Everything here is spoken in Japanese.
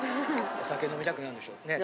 お酒飲みたくなるんでしょうね。